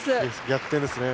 逆転ですね。